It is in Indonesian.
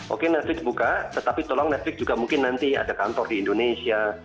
oke netflix buka tetapi tolong netf juga mungkin nanti ada kantor di indonesia